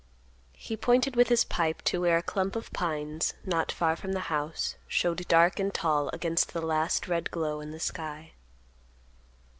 He pointed with his pipe to where a clump of pines, not far from the house, showed dark and tall, against the last red glow in the sky.